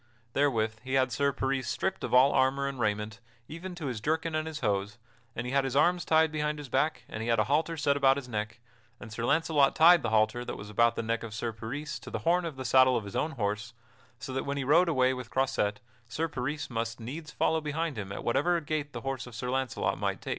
Therewith he had Sir Peris stripped of all armor and raiment, even to his jerkin and his hose, and he had his arms tied behind his back, and he had a halter set about his neck; and Sir Launcelot tied the halter that was about the neck of Sir Peris to the horn of the saddle of his own horse, so that when he rode away with Croisette Sir Peris must needs follow behind him at whatever gait the horse of Sir Launcelot might take.